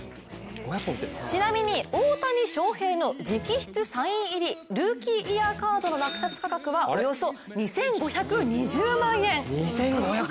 ちなみに大谷翔平の直筆サイン入りルーキーイヤーカードの落札価格はおよそ２５２０万円。